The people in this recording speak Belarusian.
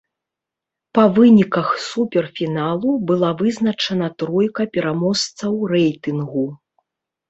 Па выніках суперфіналу была вызначана тройка пераможцаў рэйтынгу.